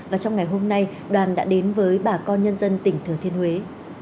và trong ngày hôm nay đoàn đã đến với bà con nhân dân tỉnh thừa thiên huế